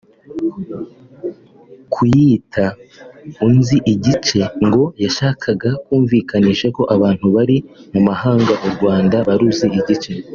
Kuyita “Unzi Igice” ngo yashakaga kumvikanisha ko abantu bari mu mahanga u Rwanda baruzi igice